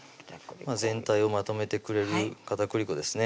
全体をまとめてくれる片栗粉ですね